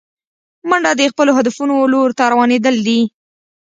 منډه د خپلو هدفونو لور ته روانېدل دي